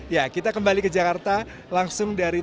ya kita kembali ke jakarta langsung dari